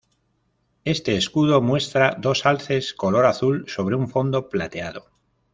Este escudo muestra dos alces color azul sobre un fondo plateado.